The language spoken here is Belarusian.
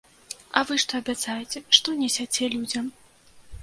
А вы што абяцаеце, што несяце людзям?